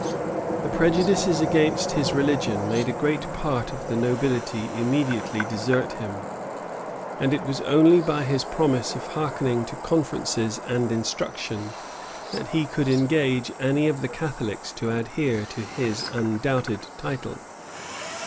The prejudices entertained against his religion, made a great part of the nobility immediately desert him; and it was only by his promise of hearkening to conferences and instruction, that he could engage any of the Catholics to adhere to his undoubted title.